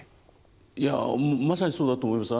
いやまさにそうだと思います。